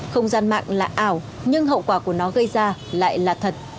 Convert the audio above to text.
không gian mạng là ảo nhưng hậu quả của nó gây ra lại là thật